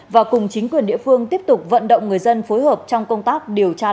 và cùng chính quyền địa phương tiếp tục vận động người dân phối hợp trong công tác điều tra